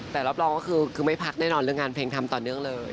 แต่รับรองก็คือไม่พักแน่นอนเรื่องงานเพลงทำต่อเนื่องเลย